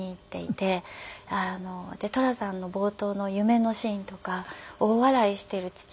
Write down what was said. で寅さんの冒頭の夢のシーンとか大笑いしている父を。